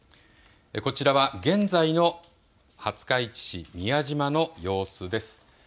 こちらは現在の廿日市市宮島の様子です。